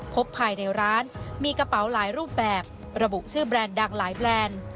พบภายในร้านมีกระเป๋าหลายรูปแบบระบุชื่อแบรนด์ดังหลายแบรนด์